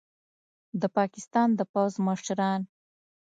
د پاکستان د پوځ مشران